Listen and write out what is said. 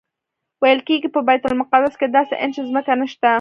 ویل کېږي په بیت المقدس کې داسې انچ ځمکه نشته.